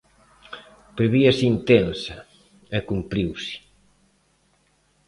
Prevíase intensa, e cumpriuse.